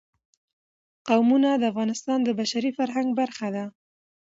قومونه د افغانستان د بشري فرهنګ برخه ده.